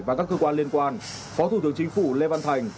và các cơ quan liên quan phó thủ tướng chính phủ lê văn thành